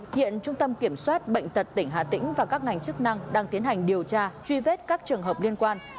hiện trung tâm kiểm soát bệnh tật tỉnh hà tĩnh và các ngành chức năng đang tiến hành điều tra truy vết các trường hợp liên quan